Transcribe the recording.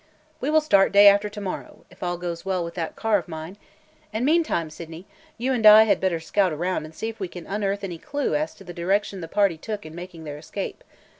We will start day after to morrow, if all goes well with that car of mine; and meantime, Sydney, you and I had better scout around and see if we can unearth any clue as to the direction the party took in making their escape.